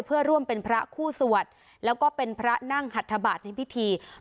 เพื่อร่วมเป็นพระคู่สวดแล้วก็เป็นพระนั่งหัทธบาทในพิธี